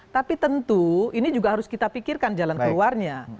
tapi tentu ini juga harus kita pikirkan jalan keluarnya